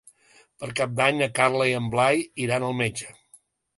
Per Cap d'Any na Carla i en Blai iran al metge.